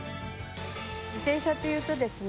自転車っていうとですね